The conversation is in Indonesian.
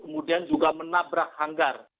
kemudian juga menabrak hanggar